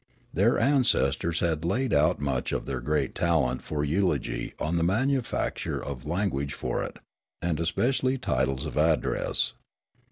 Their ancestors had laid out much of their great talent for eulogy on the manufacture of language for it, and especially of titles of address.